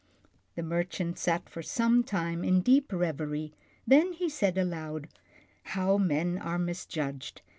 The merchant sat for some time in deep reverie, then he said aloud, " How men are misjudged.